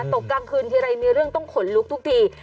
ตกกลางคืนทีไรมีเรื่องต้องขนลุกทุกที